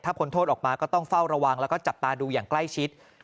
พ้นโทษออกมาก็ต้องเฝ้าระวังแล้วก็จับตาดูอย่างใกล้ชิด